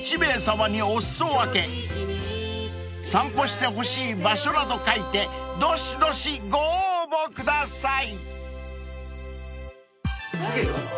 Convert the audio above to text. ［散歩してほしい場所など書いてどしどしご応募ください］